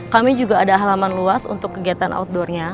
kami juga ada halaman luas untuk kegiatan outdoornya